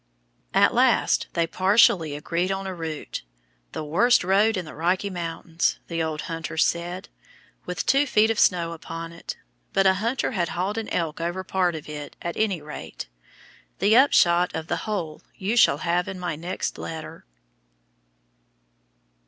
At last they partially agreed on a route "the worst road in the Rocky Mountains," the old hunter said, with two feet of snow upon it, but a hunter had hauled an elk over part of it, at any rate. The upshot of the whole you shall have in my next letter.